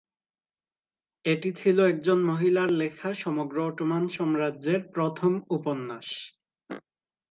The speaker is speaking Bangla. এটি ছিল একজন মহিলার লেখা সমগ্র অটোমান সাম্রাজ্যের প্রথম উপন্যাস।